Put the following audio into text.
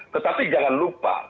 tetapi jangan lupa